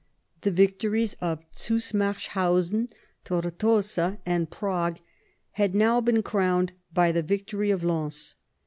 The victories of Zusmarshausen, Tortosa, and Prague had now been crowned by the victory of Lens.